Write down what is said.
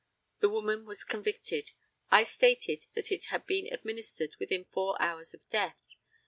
The woman was convicted. I stated that it had been administered within four hours of death.